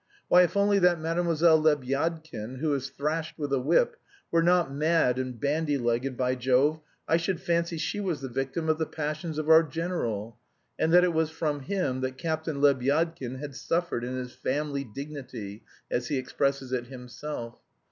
Why, if only that Mademoiselle Lebyadkin, who is thrashed with a whip, were not mad and bandy legged, by Jove, I should fancy she was the victim of the passions of our general, and that it was from him that Captain Lebyadkin had suffered 'in his family dignity,' as he expresses it himself.